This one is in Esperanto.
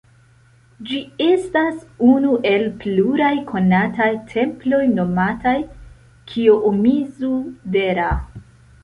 Ĝi estas unu el pluraj konataj temploj nomataj Kijomizu-dera.